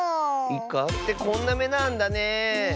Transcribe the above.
イカってこんなめなんだね。